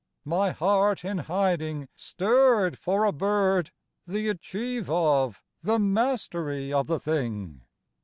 My heart in hiding Stirred for a bird, the achieve of, the mastery of the thing!